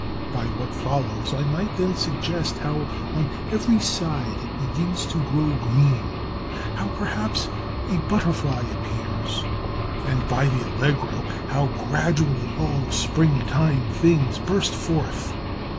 By what follows I might then suggest how on every side it begins to grow green; how, perhaps, a butterfly appears; and, by the Allegro, how gradually all springtime things burst forth.